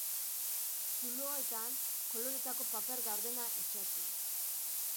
Zuloetan koloretako paper gardena itsatsi.